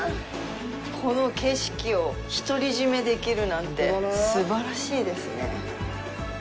この景色をひとり占めできるなんてすばらしいですね。